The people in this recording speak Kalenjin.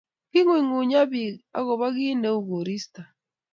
king'uny ng'unyo biik akobo kiit neu koristo